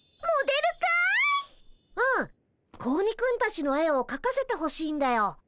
うん子鬼くんたちの絵をかかせてほしいんだよ。